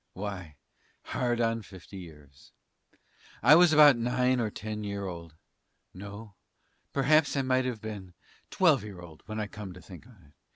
Why, hard on fifty years. I was about nine or ten year old no, perhaps I might have been 12 year old, when I come to think on it.